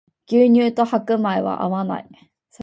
牛乳と白米は合わない